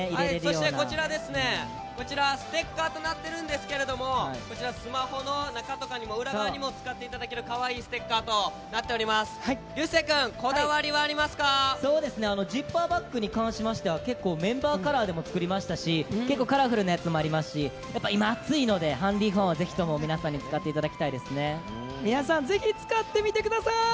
そしてこちらですね、こちら、ステッカーとなっているんですけれども、こちら、スマホの中とかにも裏側にも使っていただけるかわいいステッカー流星君、こだわりはありますそうですね、ジッパーバッグに関しましては、結構メンバーカラーでも作りましたし、結構カラフルなやつもありますし、やっぱ今、暑いのでハンディファンはぜひとも皆さんに使っていただきたいで皆さん、ぜひ使ってみてください。